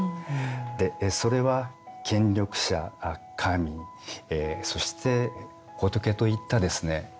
それは権力者神そして仏といったですね